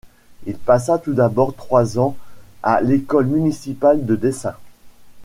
Il passa tout d'abord trois ans à l'École Municipale de Dessin.